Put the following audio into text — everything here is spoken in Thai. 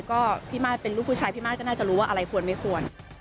ก็พี่มาสเป็นลูกผู้ชายพี่มาสก็น่าจะรู้ว่าอะไรควรไม่ควร